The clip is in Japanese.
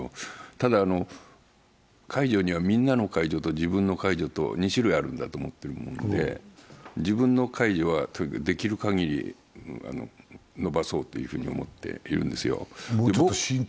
ただ、解除にはみんなの解除と自分の解除と２種類あるんだと思ってて自分の解除はできるかぎり延ばそうと思ってるんですよ。